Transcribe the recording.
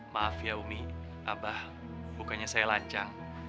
maaf ya umi abah bukannya saya lancang